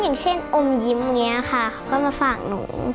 อย่างเช่นอมยิ้มอย่างนี้ค่ะเขาก็มาฝากหนู